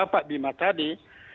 pak bima tadi